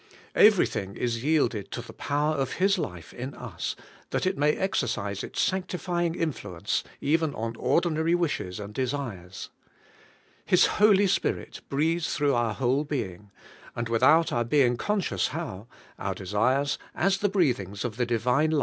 Everything is yielded to the power of His life in us, that it may exercise its sanctifying influence even on ordinary wishes and desires. His Holy Spirit breathes through our whole being; and without our being conscious how, our desires, as the breathings of the Divine life.